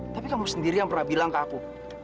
tapi kamu sendiri yang pernah bilang ke aku